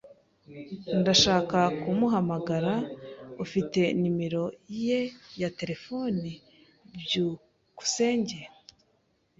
Ndashaka kumuhamagara. Ufite numero ye ya terefone? byukusenge